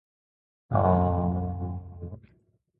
ガンダムとは人類の教科書であり、総意であるべきだ